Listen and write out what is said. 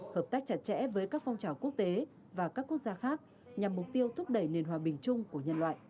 hợp tác chặt chẽ với các phong trào quốc tế và các quốc gia khác nhằm mục tiêu thúc đẩy nền hòa bình chung của nhân loại